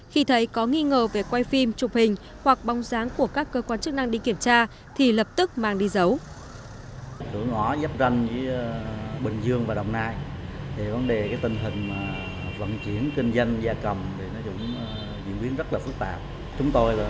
khi thấy có nghi ngờ về quay phim chụp hình hoặc bóng dáng của các cơ quan chức năng đi kiểm tra thì lập tức mang đi dấu